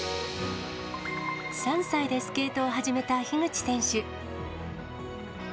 ３歳でスケートを始めた樋口選手。